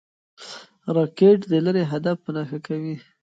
راکټ د لرې هدف په نښه کوي